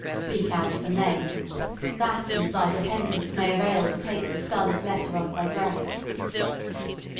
Speak out the name! That, and thy repentance, may avail to take the scarlet letter off thy breast."